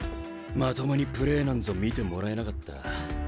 まともにプレーなんぞ見てもらえなかった。